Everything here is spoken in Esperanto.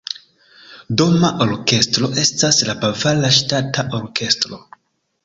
Doma orkestro estas la Bavara Ŝtata Orkestro.